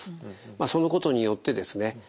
そのことによってですね